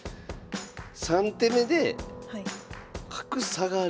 ３手目で角下がる。